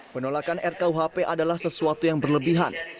penolakan rkuhp adalah sesuatu yang berlebihan